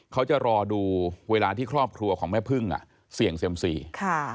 เขาจะรอดูเวลาที่ครอบครัวของแม่พึ่งอ่ะเสี่ยงเซียมซีค่ะ